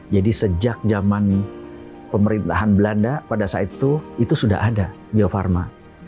jadi sejak zaman pemerintahan belanda pada saat itu itu sudah ada bio farma